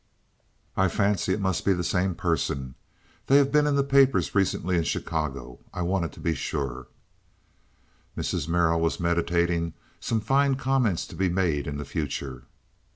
"I fancy it must be the same person. They have been in the papers recently in Chicago. I wanted to be sure." Mrs. Merrill was meditating some fine comments to be made in the future.